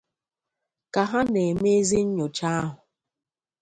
Ka ha na-emezị nnyòcha ahụ